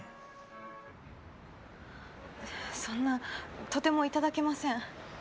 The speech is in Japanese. そんなとてもいただけません。